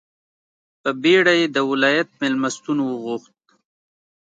په بېړه یې د ولایت مېلمستون وغوښت.